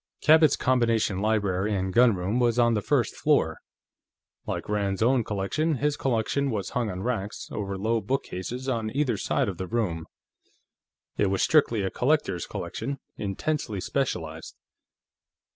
Cabot's combination library and gunroom was on the first floor. Like Rand's own, his collection was hung on racks over low bookcases on either side of the room. It was strictly a collector's collection, intensely specialized.